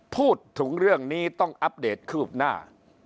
พูดถึงเรื่องนี้ต้องอัปเดตคืบหน้า